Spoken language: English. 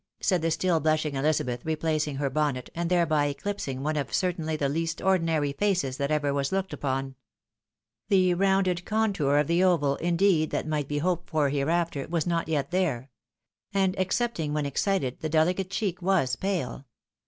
" said the still blushing Elizabeth, replacing her bonnet, and thereby eohpsing one of C'Ttainly the least ordinary faces that ever was looked upon. The rounded contour of the oval, indeed, that might be hoped for hereafter, was not yet there ; and, excepting when excited, the dehcate cheek was pale.